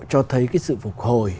cho thấy sự phục hồi